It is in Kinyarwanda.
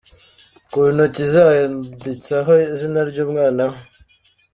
Ku ntoki ze handitseho izina ry'umwana we.